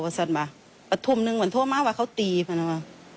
ว่าสันบ่าบ่าทุ่มนึงว่าโทมมาว่าเขาตีพันวา